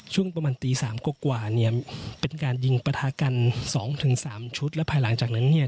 ช่วงประมาณตี๓กว่าเนี่ยเป็นการยิงประทะกัน๒๓ชุดแล้วภายหลังจากนั้นเนี่ย